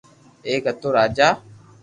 ايڪ ھتو راجا